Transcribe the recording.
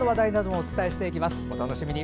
お楽しみに。